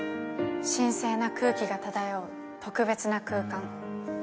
神聖な空気が漂う特別な空間。